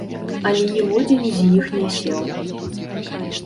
Але ніводзін з іх не сеў.